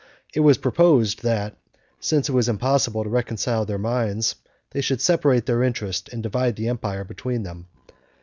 It was proposed, that since it was impossible to reconcile their minds, they should separate their interest, and divide the empire between them.